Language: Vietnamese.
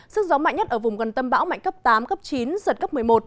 sức gió mạnh nhất ở vùng gần tâm bão mạnh cấp tám cấp chín giật cấp một mươi một